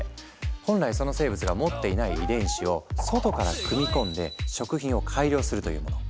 本来その生物が持っていない遺伝子を外から組み込んで食品を改良するというもの。